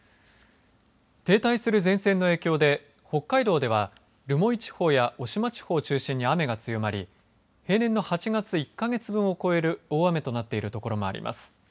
停滞する前線の影響で北海道では留萌地方や渡島地方を中心に雨が強まり平年の８月、１か月分を超える大雨となっている所もあります。